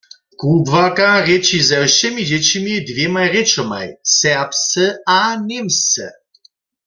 Kubłarka rěči ze wšěmi dźěćimi w dwěmaj rěčomaj – serbsce a němsce.